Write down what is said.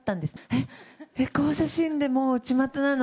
えっ、エコー写真でもう内またなの？